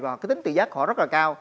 và cái tính tùy giá của họ rất là cao